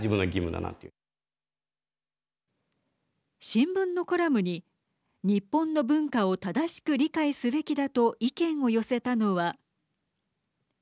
新聞のコラムに日本の文化を正しく理解すべきだと意見を寄せたのは。